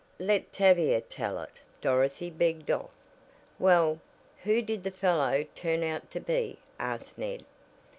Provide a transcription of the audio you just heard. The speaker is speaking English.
"Let Tavia tell it," Dorothy begged off. "Well, who did the fellow turn out to be?" asked Ned.